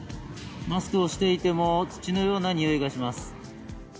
マスクしていても、土のようなにおいがします。